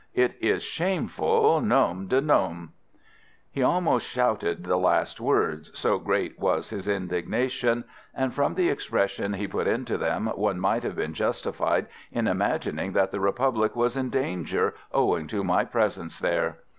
It is shameful! Nom de nom!" He almost shouted the last words, so great was his indignation, and from the expression he put into them one might have been justified in imagining that the Republic was in danger owing to my presence there.